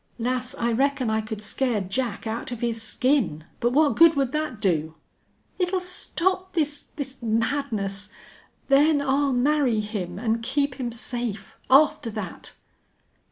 "Lass, I reckon I could scare Jack out of his skin. But what good would that do?" "It'll stop this this madness.... Then I'll marry him and keep him safe after that!"